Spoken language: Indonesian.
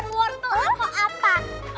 tapi ini tuh masalah prinsip